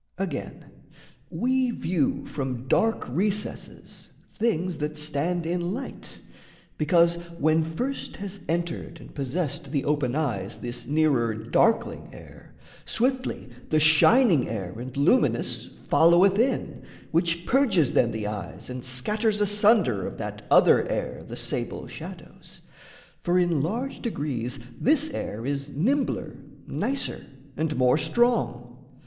Again, we view From dark recesses things that stand in light, Because, when first has entered and possessed The open eyes this nearer darkling air, Swiftly the shining air and luminous Followeth in, which purges then the eyes And scatters asunder of that other air The sable shadows, for in large degrees This air is nimbler, nicer, and more strong.